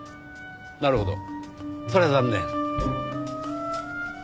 なるほどそれは残念。